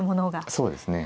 そうですね。